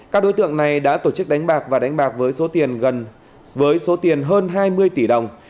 các đối tượng này đã tổ chức đánh bạc và đánh bạc với số tiền hơn hai mươi tỷ đồng